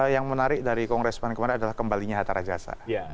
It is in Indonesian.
yang menarik dari kongres pan kemarin adalah kembalinya hatta rajasa